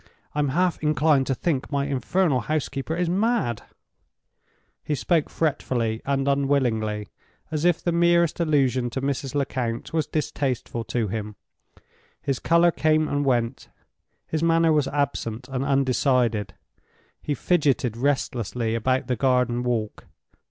I'm half inclined to think my infernal housekeeper is mad." He spoke fretfully and unwillingly, as if the merest allusion to Mrs. Lecount was distasteful to him. His color came and went; his manner was absent and undecided; he fidgeted restlessly about the garden walk.